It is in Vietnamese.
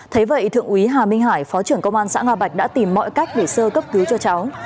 thế vậy thượng úy hà minh hải phó trưởng công an xã nga bạch đã tìm mọi cách để sơ cấp cứu cho cháu